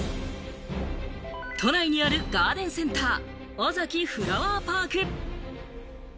都内にあるガーデンセンター、オザキフラワーパーク。